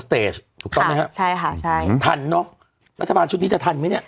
เตจถูกต้องไหมฮะใช่ค่ะใช่อืมทันเนอะรัฐบาลชุดนี้จะทันไหมเนี้ย